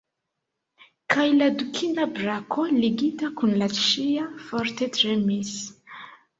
Kaj la dukina brako, ligita kun la ŝia, forte tremis.